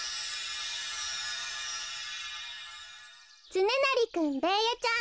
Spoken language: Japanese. つねなりくんベーヤちゃん